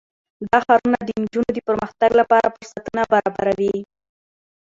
دا ښارونه د نجونو د پرمختګ لپاره فرصتونه برابروي.